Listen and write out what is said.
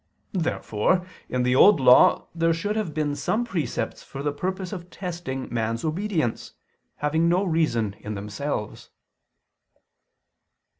Therefore in the Old Law there should have been some precepts for the purpose of testing man's obedience, having no reason in themselves.